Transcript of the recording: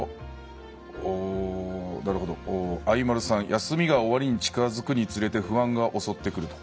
休みが終わりに近づくにつれて不安が襲ってくる。